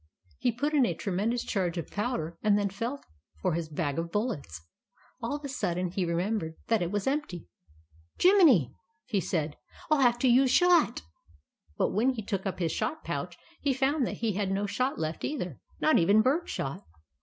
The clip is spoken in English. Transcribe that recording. He put in a tre mendous charge of powder and then felt for his bag of bullets. All of a sudden, he remembered that it was empty. " Jiminy !" said he, " I '11 have to use shot." But when he took up his shot pouch, he found that he had no shot left either, not even bird shot.